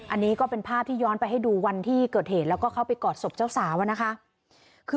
อันนี้ก็เป็นภาพที่ย้อนไปให้ดูวันที่เกิดเหตุ